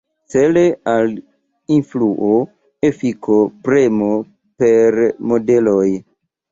Cele al influo, efiko, premo per modeloj.